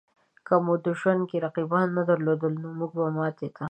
که مو په ژوند کې رقیبان نه درلودای؛ نو مونږ به ماتې ته